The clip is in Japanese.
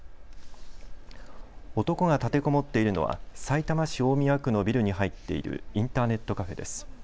男が立てこもっているのはさいたま市大宮区のビルに入っているインターネットカフェです。